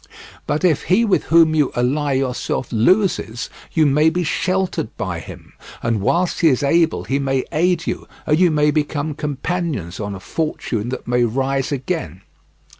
But if he with whom you ally yourself loses, you may be sheltered by him, and whilst he is able he may aid you, and you become companions on a fortune that may rise again.